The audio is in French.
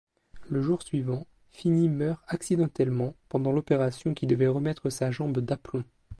Le jour suivant, Finny meurt accidentellement pendant l'opération qui devait remettre sa jambe d'aplomb.